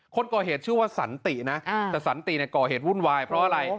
คนก่อเหตุชื่อว่าสันตินะแต่สันติเนี่ยก่อเหตุวุ่นวายเพราะอะไร